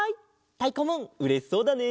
たいこムーンうれしそうだね！